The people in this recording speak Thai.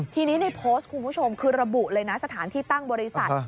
ทีนี้ในโพสต์คุณผู้ชมคือระบุเลยนะสถานที่ตั้งบริษัท